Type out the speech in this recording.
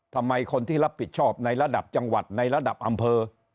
ทำไมคนที่รับผิดชอบในระดับจังหวัดในระดับอำเภอ